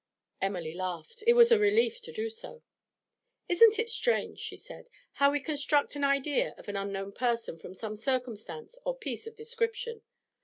Emily laughed; it was a relief to do so. 'Isn't it strange,' she said, 'how we construct an idea of an unknown person from some circumstance or piece of description?